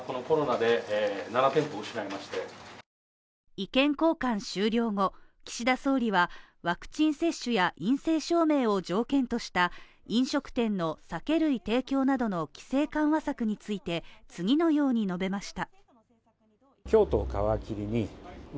意見交換終了後、岸田総理は、ワクチン接種や陰性証明を条件とした飲食店の酒類提供などの規制緩和策について次のように述べました。